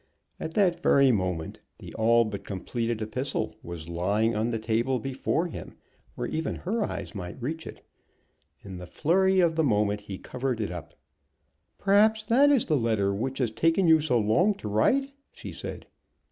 At that very moment the all but completed epistle was lying on the table before him, where even her eyes might reach it. In the flurry of the moment he covered it up. "Perhaps that is the letter which has taken you so long to write?" she said.